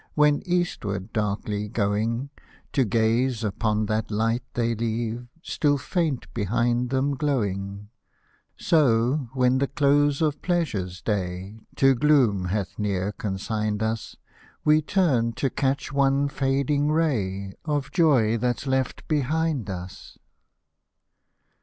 When eastward darkly going, To ^dzc upon llial light ihcy leave Still faint behind them glowing, — So, when the close of pleasure's day To gloom hath near consigned us. We turn to catch one fading ray Of joy that's left behind us.